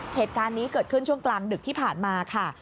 เหตุการณ์นี้เกิดขึ้นช่วงกลางดึกที่ผ่านมาค่ะ